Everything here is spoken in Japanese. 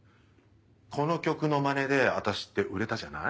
この曲のまねで私って売れたじゃない？